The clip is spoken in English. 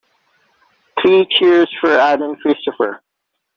Three cheers for Aden Christopher.